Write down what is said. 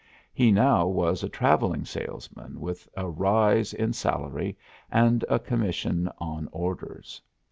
He now was a travelling salesman, with a rise in salary and a commission on orders.